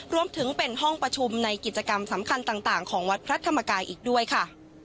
รวมถึงเป็นห้องประชุมในกิจกรรมสำคัญต่างของวัดพระธรรมกายอีกด้วยค่ะ